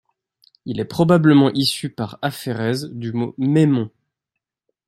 Il est probablement issu par aphérèse du mot maimon.